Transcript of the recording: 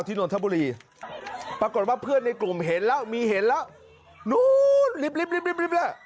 นนทบุรีปรากฏว่าเพื่อนในกลุ่มเห็นแล้วมีเห็นแล้วนู้นลิบด้วย